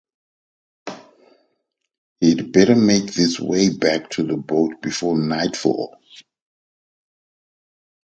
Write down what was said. He'd better make his way back to the boat before nightfall.